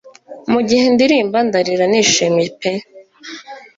Mugihe ndirimba ndarira nishimye pe